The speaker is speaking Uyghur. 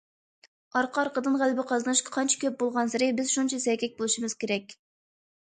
ئارقا- ئارقىدىن غەلىبە قازىنىش قانچە كۆپ بولغانسېرى، بىز شۇنچە سەگەك بولۇشىمىز كېرەك.